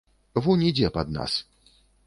Вунь ідзе пад нас.